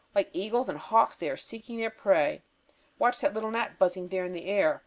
Like eagles and hawks they are seeking their prey. Watch that little gnat buzzing there in the air.